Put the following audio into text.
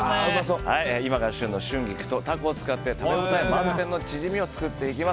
今が旬の春菊とタコを使って食べ応え満点のチヂミを作っていきます。